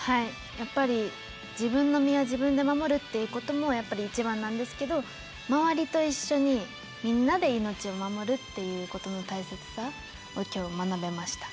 やっぱり自分の身は自分で守るっていうことも一番なんですけど周りと一緒にみんなで命を守るっていうことの大切さを今日学べました。